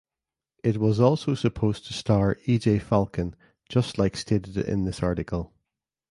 It was also supposed to star Ejay Falcon just like stated in this article.